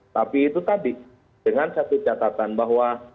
tapi itu tadi dengan satu catatan bahwa